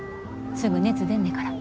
すぐ熱出んねから。